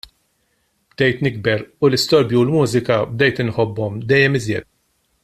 Bdejt nikber u l-istorbju u l-mużika bdejt inħobbhom dejjem iżjed.